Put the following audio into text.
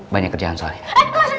banyak kerjaan soalnya